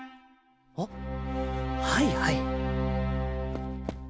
あはいはい。